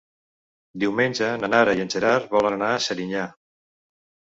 Diumenge na Nara i en Gerard volen anar a Serinyà.